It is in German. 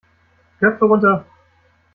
Köpfe runter!